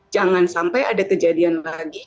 jangan sampai ada kejadian lagi